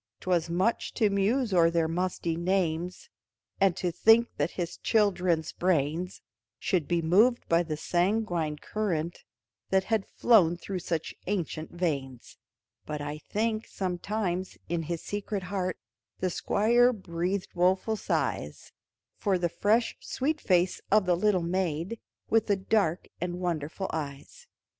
'Twas much to muse o'er their musty names, And to think that his children's brains Should be moved by the sanguine current, That had flown through such ancient veins; But I think, sometimes, in his secret heart, The Squire breathed woeful sighs For the fresh sweet face of the little maid, With the dark and wonderful eyes.